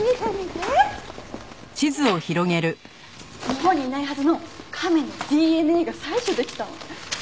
日本にいないはずの亀のＤＮＡが採取できたの。